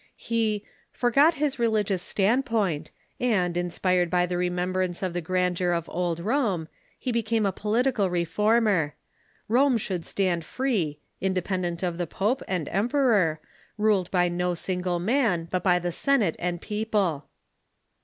He "forgot his religious standpoint, and, inspired by the remembrance of tlie grandeur of old Rome, he became a political reformer. Rome should stand free, independent of the pope and emperor, ruled by no single man, but by the Senate and people."